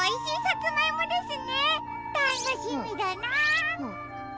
たっのしみだな。